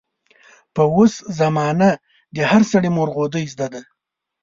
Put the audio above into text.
په اوس زمانه د هر سړي مورغودۍ زده دي.